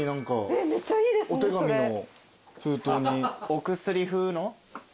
お薬風の？